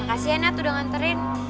makasih ya nat udah nganterin